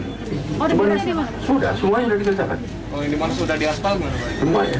oh ini mana sudah di asfal